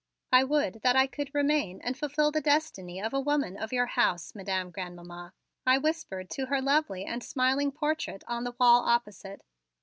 "I would that I could remain and fulfill the destiny of a woman of your house, Madam Grandmamma," I whispered to her lovely and smiling portrait on the wall opposite.